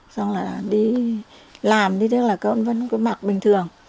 xong là đi làm thì tức là vẫn có mặc bình thường